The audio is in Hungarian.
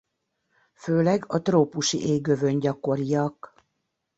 Főleg a trópusi égövön gyakoriak.